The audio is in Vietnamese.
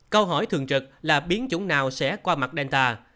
câu hỏi thường trực là biến chủng nào sẽ qua mặt delta